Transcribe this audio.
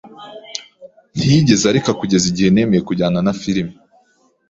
Ntiyigeze areka kugeza igihe nemeye kujyana na firime.